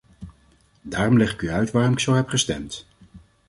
Daarom leg ik uit waarom ik zo heb gestemd.